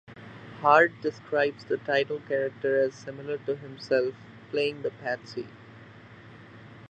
Hart describes the title character as similar to himself, playing the patsy.